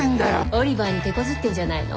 オリバーにてこずってんじゃないの？